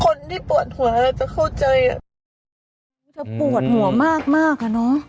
คนที่ปวดหัวเราจะเข้าใจอ่ะมันจะปวดหัวมากมากอ่ะเนอะ